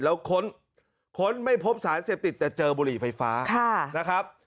แล้วค้นไม่พบสารเสพติดแต่เจอบุหรี่ไฟฟ้านะครับ